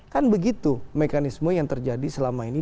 kan begitu mekanisme yang terjadi selama ini